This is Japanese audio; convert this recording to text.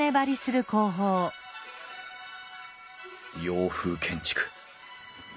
洋風建築。